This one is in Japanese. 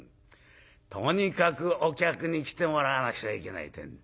とにかくお客に来てもらわなくちゃいけないてんで。